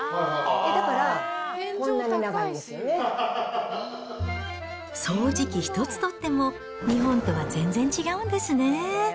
だから、掃除機一つとっても日本とは全然違うんですね。